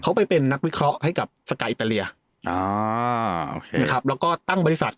เขาไปเป็นนักวิเคราะห์ให้กับสกายอิตาเลียอ่านะครับแล้วก็ตั้งบริษัท